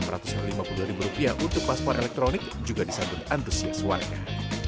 dua ratus lima puluh dua rupiah untuk paspor elektronik juga disambut antusias warga sangat